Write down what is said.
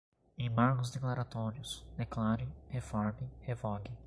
embargos declaratórios, declare, reforme, revogue